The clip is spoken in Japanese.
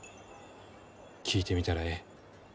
聞いてみたらえい。